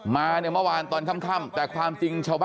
มาเนี่ยเมื่อวานตอนค่ำแต่จริงชาวบ้านเริ่มมันมันอื่นเลยนะ